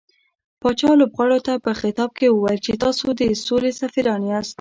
پاچا لوبغاړو ته په خطاب کې وويل چې تاسو د سولې سفيران ياست .